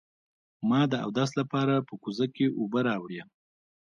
ما د اودس لپاره په کوزه کې اوبه راوړې.